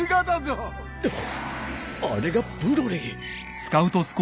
あれがブロリー。